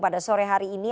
pada sore hari ini